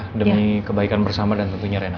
ya demi kebaikan bersama dan tentunya reina